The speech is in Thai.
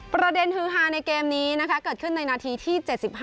ประเด็นฮือฮาในเกมนี้เกิดขึ้นในนาทีที่๗๕